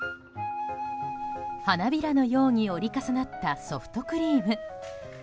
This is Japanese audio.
花弁のように折り重なったソフトクリーム。